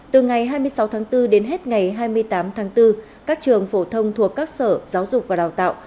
từ ngày hai mươi sáu tháng bốn đến hết ngày hai mươi tám tháng bốn các trường phổ thông thuộc các sở giáo dục và đào tạo